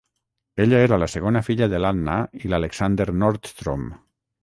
Ella era la segona filla de l"Anna i l"Alexander Nordstrom.